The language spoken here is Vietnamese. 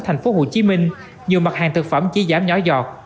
thành phố hồ chí minh nhiều mặt hàng thực phẩm chỉ giảm nhỏ giọt